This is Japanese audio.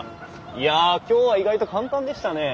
いや今日は意外と簡単でしたね。